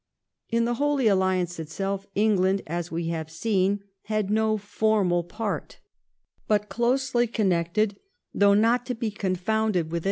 The ^^^^ th^ Holy Alliance itself England, as we have seen, had no for Quadruple mal part. But closely connected, though not to be confounded with Nov.